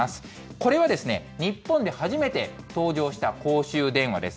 これは日本で初めて登場した公衆電話です。